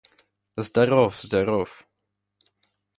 Здоров, здоров....